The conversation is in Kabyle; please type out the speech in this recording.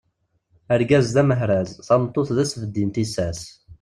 Argaz d amehraz, tameṭṭut d asbeddi n tissas.